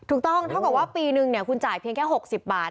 ถูกต้องเท่ากับว่าปีหนึ่งเนี่ยคุณจ่ายเพียงแค่๖๐บาท